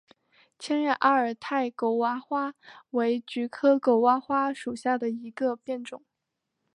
千叶阿尔泰狗娃花为菊科狗哇花属下的一个变种。